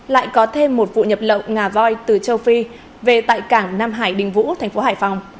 lại có thêm một vụ nhập lậu ngà voi từ châu phi về tại cảng nam hải đình vũ thành phố hải phòng